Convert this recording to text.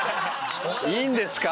いいんですか？